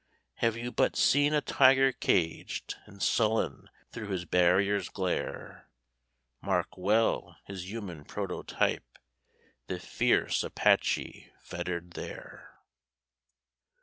Have you but seen a tiger caged And sullen through his barriers glare? Mark well his human prototype, The fierce Apache fettered there.